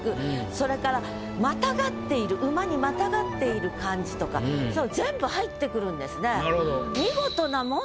それから跨っている馬に跨っている感じとかそういうの全部入ってくるんですね。